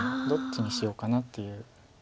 どっちにしようかなっていう。